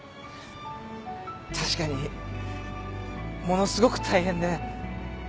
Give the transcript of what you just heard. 確かにものすごく大変で面倒で。